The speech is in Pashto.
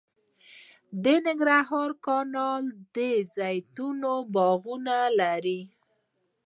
د ننګرهار کانال د زیتون باغونه لري